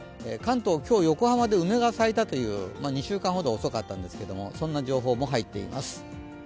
関東、今日、横浜で梅が咲いたという、２週間ほど遅かったんですが、そんな情報も入っています。